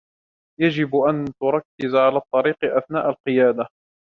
يجب أن تركز على الطريق أثناء القيادة.